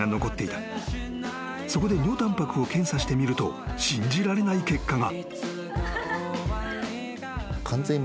［そこで尿タンパクを検査してみると信じられない結果が］